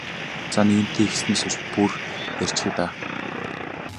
За нэгэнтээ эхэлснээс хойш бүр ярьчихъя даа.